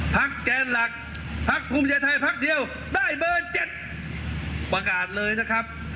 ภักดิ์แกนหลักภักดิ์ภูมิใจไทยภักดิ์เดียวได้เบอร์๗ประกาศเลยนะครับ